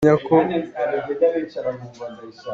Kan dum kulh a ngei lo.